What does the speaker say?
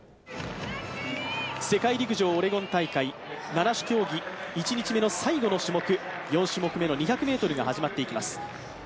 世界陸上オレゴン大会、七種競技１日目の最後の種目、４種目めの２００ｍが始まっていきます。